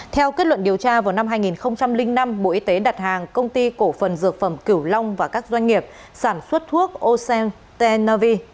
theo kết luận điều tra vào năm hai nghìn năm bộ y tế đặt hàng công ty cổ phần dược phẩm cửu long và các doanh nghiệp sản xuất thuốc ocen tnvi